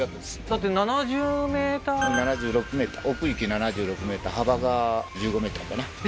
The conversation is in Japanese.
だって７０ｍ７６ｍ奥行き７６ｍ幅が１５ｍかな